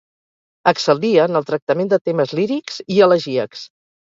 Excel·lia en el tractament de temes lírics i elegíacs.